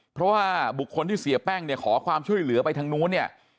เพราะว่าบุคคลที่เสียแป้งเนี่ยขอความช่วยเหลือไปทางนู้นเนี่ย